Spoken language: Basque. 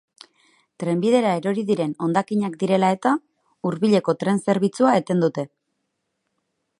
Trenbidera erori diren hondakinak direla-eta, hurbileko tren zerbitzua eten dute.